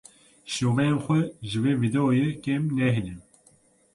Şiroveyên xwe ji vê vîdeoyê kêm nehêlin.